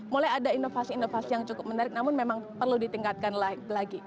mulai ada inovasi inovasi yang cukup menarik namun memang perlu ditingkatkan lagi